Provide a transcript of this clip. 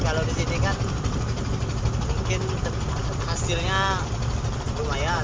kalau di sini kan mungkin hasilnya lumayan